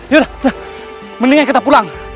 yaudah mendingan kita pulang